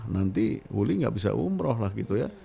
nanti wuli nggak bisa umroh lah gitu ya